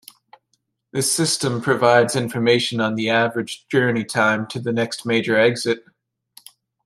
This system provides information on the average journey time to the next major exit.